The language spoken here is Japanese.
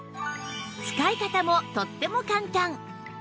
使い方もとっても簡単